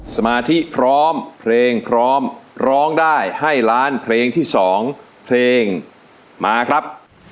สมาธิพร้อมเพลงพร้อมร้องได้ให้ล้านเพลงที่๒เพลงมาครับ